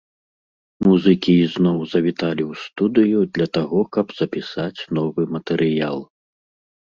Музыкі ізноў завіталі ў студыю, для таго каб запісаць новы матэрыял.